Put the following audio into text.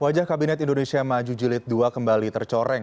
wajah kabinet indonesia maju jilid ii kembali tercoreng